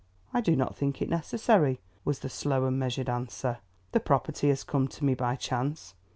"I do not think it necessary," was the slow and measured answer. "The property has come to me by chance.